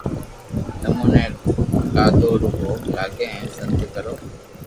تمو ني لادو رو ڀوگ لاگي ھين سنت ڪرو